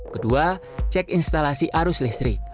kedua cek instalasi arus listrik